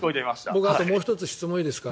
僕もう１つ質問いいですか。